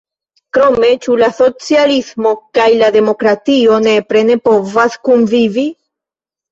Krome, ĉu la socialismo kaj la demokratio nepre ne povas kunvivi?